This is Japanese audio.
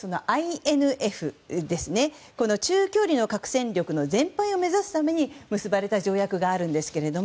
ＩＮＦという中距離核戦力の全廃を目指すために結ばれた条約があるんですが。